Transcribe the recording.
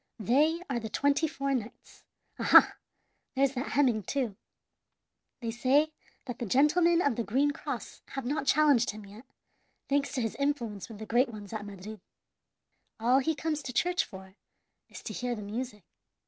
They are the twenty four knights. Aha! there's that Heming, too. They say that the gentlemen of the green cross have not challenged him yet, thanks to his influence with the great ones at Madrid. All he comes to church for is to hear the music.